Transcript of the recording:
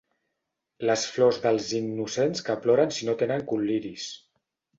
Les flors dels innocents que ploren si no tenen col·liris.